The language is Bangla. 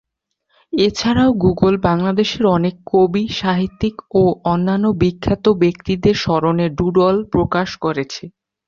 এছাড়াও গুগল বাংলাদেশের অনেক কবি, সাহিত্যিক ও অন্যান্য বিখ্যাত ব্যক্তিদের স্মরণে ডুডল প্রকাশ করেছে।